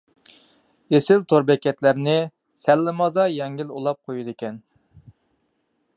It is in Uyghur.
ئېسىل تور بېكەتلەرنى سەللىمازا يەڭگىل ئۇلاپ قويىدىكەن.